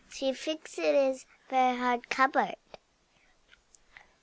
She thinks it is a very hard cupboard!